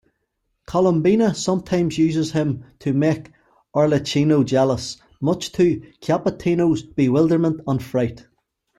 Columbina sometimes uses him to make Arlecchino jealous, much to Capitano's bewilderment and fright.